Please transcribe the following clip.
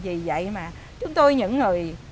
vì vậy mà chúng tôi những người